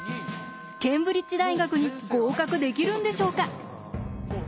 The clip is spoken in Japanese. ケンブリッジ大学に合格できるんでしょうか？